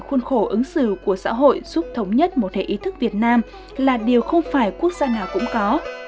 khuôn khổ ứng xử của xã hội giúp thống nhất một hệ ý thức việt nam là điều không phải quốc gia nào cũng có